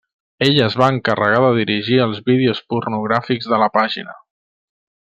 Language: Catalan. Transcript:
Ell es va encarregar de dirigir els vídeos pornogràfics de la pàgina.